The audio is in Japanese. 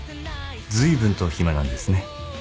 ずいぶんと暇なんですね。